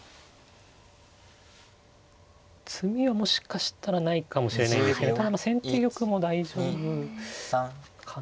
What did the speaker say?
詰みはもしかしたらないかもしれないんですけどただまあ先手玉も大丈夫かな。